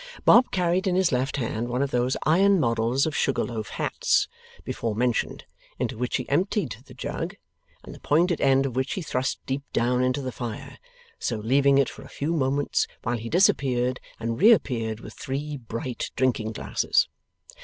Bob carried in his left hand one of those iron models of sugar loaf hats, before mentioned, into which he emptied the jug, and the pointed end of which he thrust deep down into the fire, so leaving it for a few moments while he disappeared and reappeared with three bright drinking glasses.